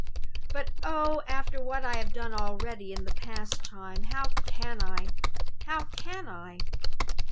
"But, oh, after what I have done already in the past time, how can I? how can I?